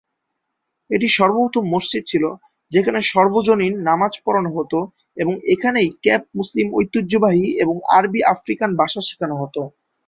এটি সর্বপ্রথম মসজিদ ছিল, যেখানে সর্বজনীন নামাজ পড়ানো হত এবং এখানেই কেপ মুসলিম ঐতিহ্যবাহী এবং আরবি-আফ্রিকান ভাষা শেখানো হতো।